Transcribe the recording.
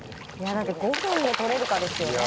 ５分で撮れるかですよね。